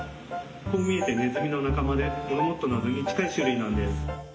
こう見えてネズミの仲間でモルモットなどに近い種類なんです。